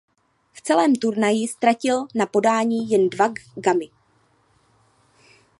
V celém turnaji ztratil na podání jen dva gamy.